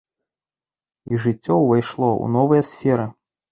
Іх жыццё ўвайшло ў новыя сферы.